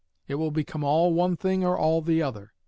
It will become all one thing or all the other.